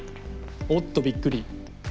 おっとびっくり。